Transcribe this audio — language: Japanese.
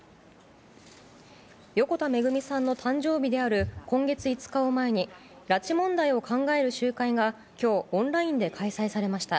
横田めぐみさんの誕生日である今月５日を前に拉致問題を考える集会が今日オンラインで開催されました。